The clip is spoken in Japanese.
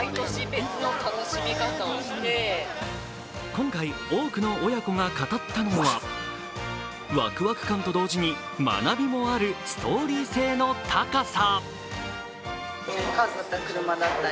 今回、多くの親子が語ったのは、わくわく感と同時に学びもあるストーリー性の高さ。